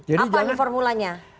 apa ini formulanya